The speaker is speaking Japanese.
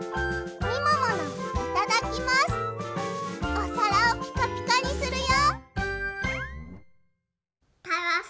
おさらをピカピカにするよ！